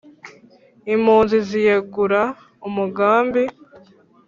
Impunzi ziyegura umugambi